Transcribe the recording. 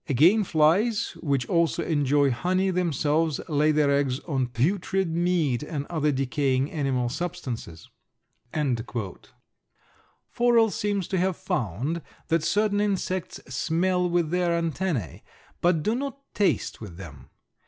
Again flies, which also enjoy honey themselves, lay their eggs on putrid meat and other decaying animal substances." Forel seems to have found that certain insects smell with their antennæ, but do not taste with them.